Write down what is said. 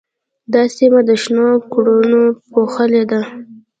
دا سیمه د شنو کروندو پوښلې ده.